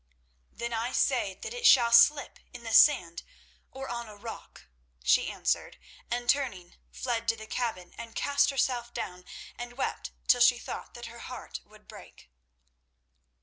"Then I say that it shall slip in the sand or on a rock," she answered, and turning, fled to the cabin and cast herself down and wept till she thought that her heart would break.